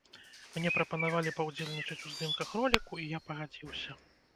Мне прапанавалі паўдзельнічаць у здымках роліку, і я пагадзіўся.